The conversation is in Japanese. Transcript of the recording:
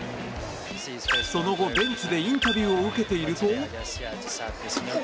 その後、ベンチでインタビューを受けていると。